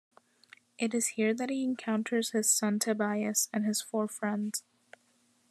It is here that he encounters his son Tobias and his four friends.